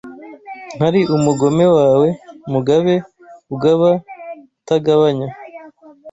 Ntari umugome wawe, Mugabe ugaba utagabanya